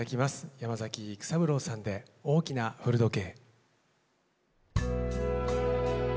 山崎育三郎さんで「大きな古時計」。